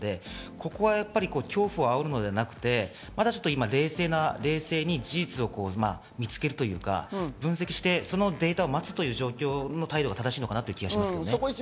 ここは恐怖をあおるのではなくて冷静に事実を見つけるというか、分析してそのデータを待つという状況の対応が正しいのかなと思います。